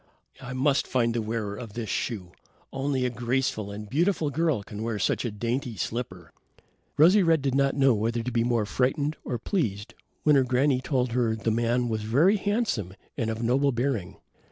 "I must find the wearer of this shoe. Only a graceful and beautiful girl can wear such a dainty slipper." Rosy red did not know whether to be more frightened or pleased, when her granny told her the man was very handsome and of noble bearing.